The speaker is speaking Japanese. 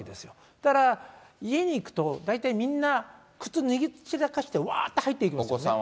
だから家に行くと大体みんな、靴脱ぎ散らかしてうわーって入ってお子さんはね。